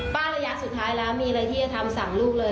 ระยะสุดท้ายแล้วมีอะไรที่จะทำสั่งลูกเลย